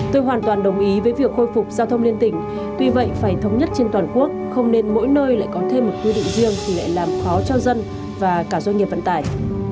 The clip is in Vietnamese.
tôi hoàn toàn đồng ý với việc khôi phục giao thông liên tỉnh tuy vậy phải thống nhất trên toàn quốc không nên mỗi nơi lại có thêm một quy định riêng thì lại làm khó cho dân và cả doanh nghiệp vận tải